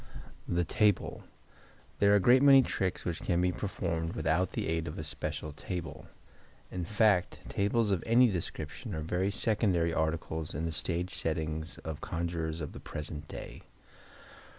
The Table.—There are a great many tricks which can be performed without the aid of a special table; in fact, tables of any description are very secondary articles in the stage settings of conjurers of the present day.